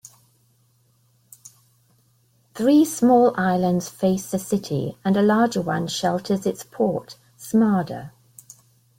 Three small islands face the city, and a larger one shelters its port, Smarda.